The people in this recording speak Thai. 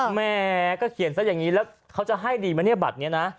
แหมก็เขียนซะอย่างนี้แล้วเขาจะให้ดีไหมเนี่ยบัตรนี้นะ